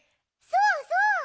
そうそう！